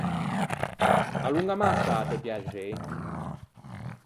Allongame a sâ, pe piaxei.